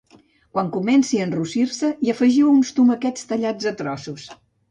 Quan coomenci a enrossir-se hi afegiu uns tomàquets tallats a trossos